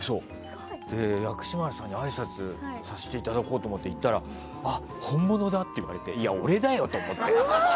薬師丸さんにあいさつさせていただこうと思って行ったらあ、本物だ！って言われていや、俺だよ！って思って。